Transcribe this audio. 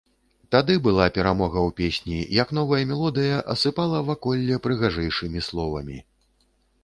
Тады была перамога ў песні, як новая мелодыя асыпала ваколле прыгажэйшымі словамі.